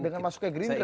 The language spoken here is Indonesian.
dengan masuknya gerindra